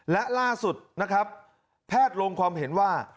และล่าสุดนะครับแพทย์ลงความเห็นว่า